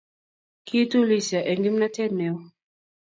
Kiitulisyo eng' kimnatet neoo